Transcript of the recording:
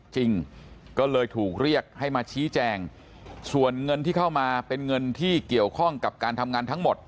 จริงก็เลยถูกเรียกให้มาชี้แจงส่วนเงินที่เข้ามาเป็นเงินที่เกี่ยวข้องกับการทำงานทั้งหมด